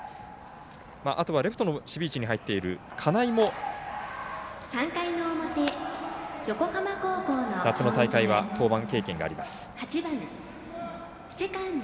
あとはレフトの守備位置に入っている金井も夏の大会は登板経験があります。